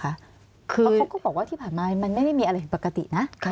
เพราะเขาก็บอกว่าที่ผ่านมามันไม่ได้มีอะไรผิดปกตินะ